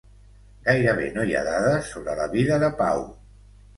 Gairebé no hi ha dades sobre la vida de Pau.